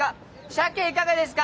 鮭いかがですか！